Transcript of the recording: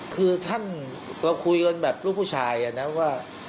คือท่านก็คุยกันแบบลูกผู้ชายนะว่า